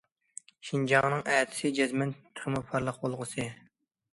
شىنجاڭنىڭ ئەتىسى جەزمەن تېخىمۇ پارلاق بولغۇسى!